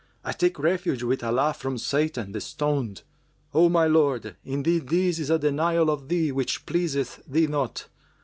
I take refuge with Allah from Satan the Stoned! O my Lord, indeed this is a denial of Thee which pleaseth Thee not!